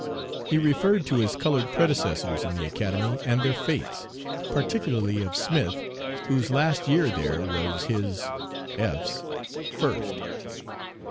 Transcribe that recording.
He referred to his colored predecessors in the Academy and their fates, particularly of Smith, whose last year there was his (F.'s) first.